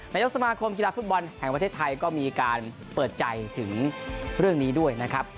นายกสมาคมกีฬาฟุตบอลแห่งประเทศไทยก็มีการเปิดใจถึงเรื่องนี้ด้วยนะครับ